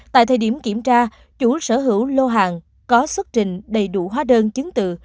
tại thời điểm kiểm tra chủ sở hữu lô hàng có xuất trình đầy đủ hóa đơn chứng từ